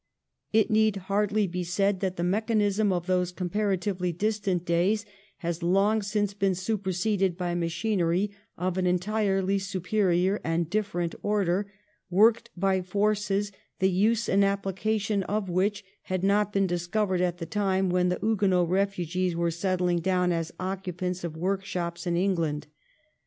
It need hardly be said that the mechanism of those comparatively distant days has long since been superseded by machinery of an entirely superior and different order, worked by forces the use and application of which had not been discovered at the time when the Huguenot refugees were settling down as occupants of workshops in England.